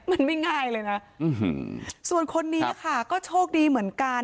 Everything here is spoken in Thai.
มันไม่ง่ายเลยนะส่วนคนนี้ค่ะก็โชคดีเหมือนกัน